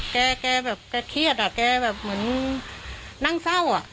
แกแกแบบแกเครียดอ่ะแกแบบเหมือนนั่งเศร้าอ่ะ